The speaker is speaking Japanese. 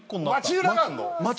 街裏があるの？